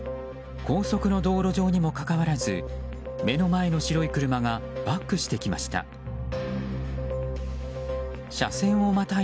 高速の道路上にもかかわらず目の前の白い車がバックしてきました。